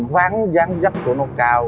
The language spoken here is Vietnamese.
ván văn dấp của nó cao